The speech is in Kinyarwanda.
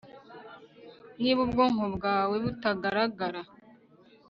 niba ubwonko bwawe butagaragara